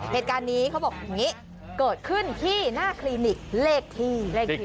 เหตุการณ์นี้เขาบอกอย่างนี้เกิดขึ้นที่หน้าคลินิกเลขที่เลขที่